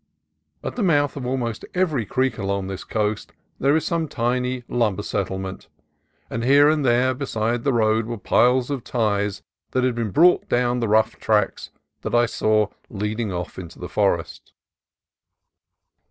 At the mouth of almost every creek along this coast there is some tiny lumber settlement, and here and there beside the road were piles of ties that had been brought down the rough tracks that I saw leading off into the forest.